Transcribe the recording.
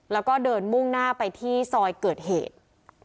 แล้วก็เดินมุ่งหน้าไปที่ซอยเกิดเหตุ